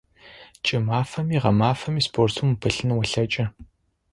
КӀымафэми гъэмафэми спортым упылъын олъэкӀы.